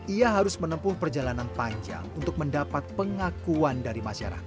ia harus menempuh perjalanan panjang untuk mendapat pengakuan dari masyarakat